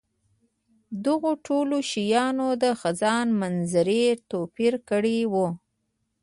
دغو ټولو شیانو د خزان منظرې توپیر کړی وو.